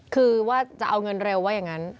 คือว่าจะเอาเงินเร็วว่าอย่างนั้น